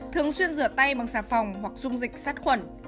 thường xuyên rửa tay bằng xà phòng hoặc dung dịch sát khuẩn